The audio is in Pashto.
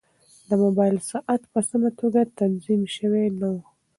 د موبایل ساعت په سمه توګه تنظیم شوی نه و.